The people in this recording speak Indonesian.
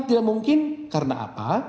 tidak mungkin karena apa